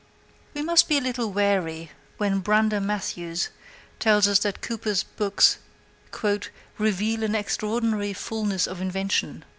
We must be a little wary when Brander Matthews tells us that Cooper's books "reveal an extraordinary fulness of invention."